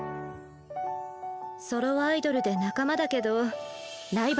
ソロアイドルで仲間だけどライバル。